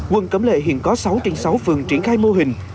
quận cấm lệ hiện có sáu trên sáu phường triển khai mô hình